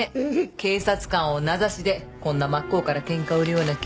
警察官を名指しでこんな真っ向から喧嘩を売るような記事。